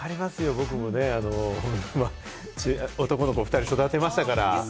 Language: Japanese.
僕もね、男の子を２人育てましたから。